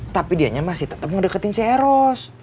tapi dianya masih tetap ngedeketin si eros